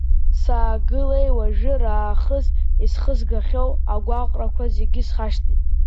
Саагылеи уажәи раахыс, исхызгахьоу агәаҟрақәа зегьы схашҭит.